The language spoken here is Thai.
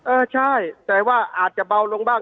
เออใช่แต่ว่าอาจจะเบาลงบ้าง